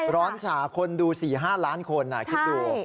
ฉาคนดู๔๕ล้านคนคิดดู